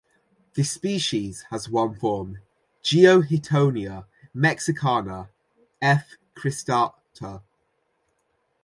The species has one form: "Geohintonia mexicana" f. "cristata".